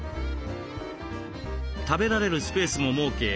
食べられるスペースも設け